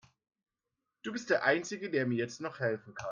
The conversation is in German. Du bist der einzige, der mir jetzt noch helfen kann.